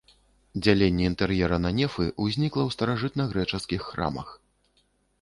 Дзяленне інтэр'ера на нефы ўзнікла ў старажытнагрэчаскіх храмах.